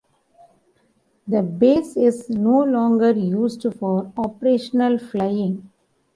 The base is no longer used for operational flying.